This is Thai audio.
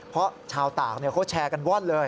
เพราะชาวต่างเขาแชร์กันว่อนเลย